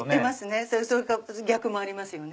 それか逆もありますよね。